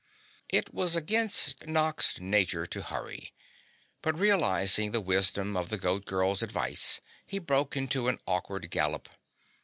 It was against Nox's nature to hurry, but realizing the wisdom of the Goat Girl's advice, he broke into an awkward gallop.